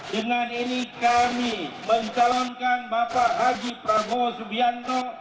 dengan ini kami mencalonkan bapak haji prabowo subianto